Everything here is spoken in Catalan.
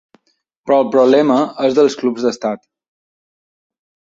Però el problema és dels clubs d’estat.